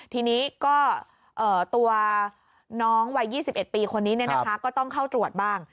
ทีนี้ก็ตัวน้องวัย๒๑ปีคนนี้ก็ต้องเข้าตรวจบ้าง